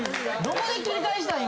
どこで切り返したん